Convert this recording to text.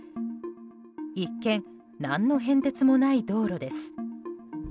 一見、何の変哲もない道路です。